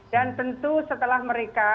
dan tentu setelah mereka